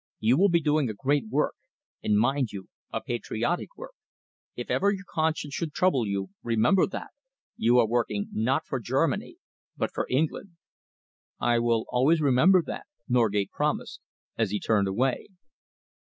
You will be doing a great work, and, mind you, a patriotic work. If ever your conscience should trouble you, remember that. You are working not for Germany but for England." "I will always remember that," Norgate promised, as he turned away.